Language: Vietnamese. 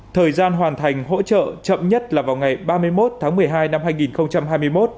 thời gian hoàn thành hỗ trợ chậm nhất là vào ngày ba mươi một tháng một mươi hai năm hai nghìn hai mươi một